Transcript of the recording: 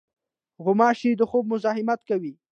غوماشې د خوب مزاحمت کوي.